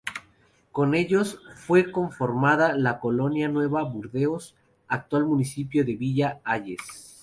Con ellos fue conformada la colonia Nueva Burdeos, actual municipio de Villa Hayes.